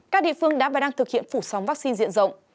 các địa phương đã và đang thực hiện phủ sống